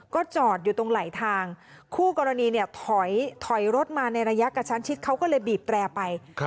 ก็จอดอยู่ตรงไหลทางคู่กรณีเนี่ยถอยรถมาในระยะกระชั้นชิดเขาก็เลยบีบแตรไป